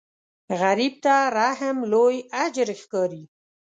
غریب ته رحم لوی اجر ښکاري